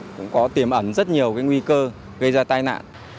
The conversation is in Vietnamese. cũng có tiềm ẩn rất nhiều cái nguy cơ gây ra tai nạn